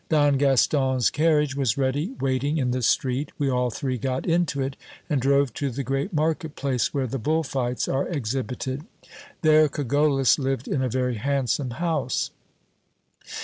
Don Gaston's carriage was ready waiting in the street ; we all three got into it, and drove to the great market place, where the bull fights are exhibited. There Cogollos lived in a very handsome house.